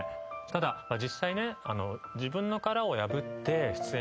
ただ実際ね。